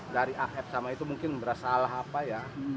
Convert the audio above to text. dari af sama itu mungkin berasalah apa ya